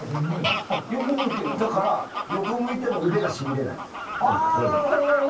だから横向いても腕がしびれない。